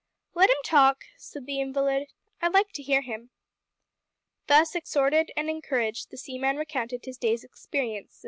"Let him talk," said the invalid. "I like to hear him." Thus exhorted and encouraged the seaman recounted his day's experience.